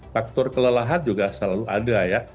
faktor kelelahan juga selalu ada ya